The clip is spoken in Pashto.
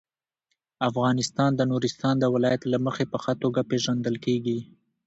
افغانستان د نورستان د ولایت له مخې په ښه توګه پېژندل کېږي.